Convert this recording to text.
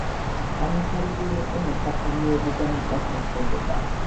განვითარებული იყო მესაქონლეობა და მიწათმოქმედება.